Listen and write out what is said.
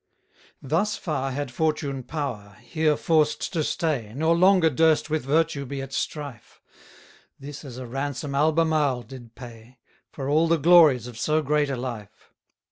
104 Thus far had fortune power, here forced to stay, Nor longer durst with virtue be at strife: This as a ransom Albemarle did pay, For all the glories of so great a life.